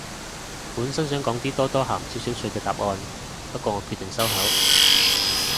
本身想講啲多多鹹少少趣嘅答案，不過我決定收口